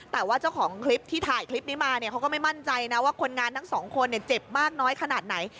แต่ว่าเจ้าของคลิปที่ถ่ายคลิปนี้มาเนี่ยเขาก็ไม่มั่นใจนะว่าคนงานทั้งสองคนเจ็บมากน้อยขนาดไหน